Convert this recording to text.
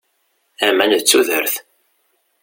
Aman d tudert.